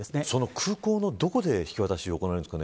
空港のどこで、警察引き渡しが行われるんですかね。